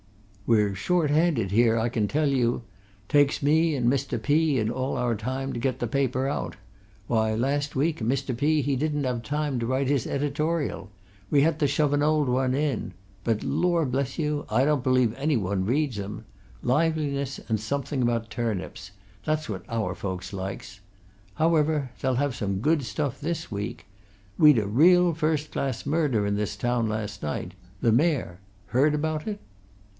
"We're short handed here, I can tell you! Takes me and Mr. P. all our time to get the paper out. Why, last week, Mr. P. he didn't have time to write his Editorial! We had to shove an old one in. But lor' bless you, I don't believe anybody reads 'em! Liveliness, and something about turnips that's what our folks likes. However, they'll have some good stuff this week. We'd a real first class murder in this town last night. The Mayor! Heard about it?"